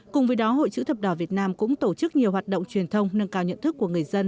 cùng với đó hội chữ thập đỏ việt nam cũng tổ chức nhiều hoạt động truyền thông nâng cao nhận thức của người dân